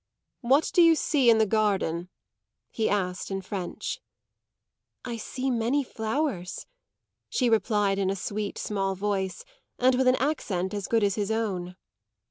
"What do you see in the garden?" he asked in French. "I see many flowers," she replied in a sweet, small voice and with an accent as good as his own.